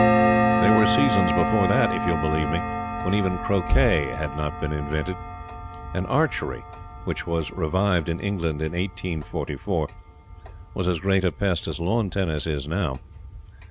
There were seasons before that, if you will believe me, when even croquet had not been invented, and archery which was revived in England in 1844 was as great a pest as lawn tennis is now.